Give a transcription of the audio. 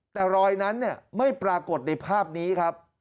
แต่รอยนั้นไม่ปรากฏในภาพนี้ครับ